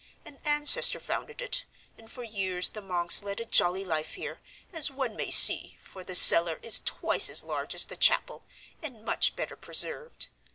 An ancestor founded it, and for years the monks led a jolly life here, as one may see, for the cellar is twice as large as the chapel, and much better preserved.